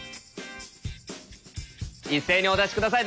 一斉にお出し下さい。